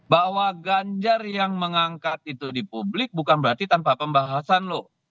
bahwa ganjar yang mengangkat itu di publik bukan berarti tanpa pembahasan loh